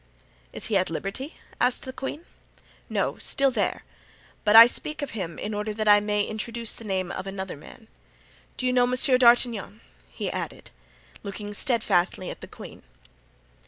"Is he at liberty?" asked the queen. "No; still there, but I only speak of him in order that I may introduce the name of another man. Do you know Monsieur d'Artagnan?" he added, looking steadfastly at the queen.